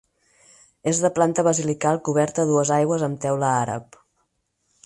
És de planta basilical coberta a dues aigües amb teula àrab.